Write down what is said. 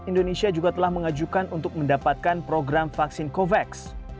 indonesia juga telah mengajukan untuk mendapatkan program vaksin covax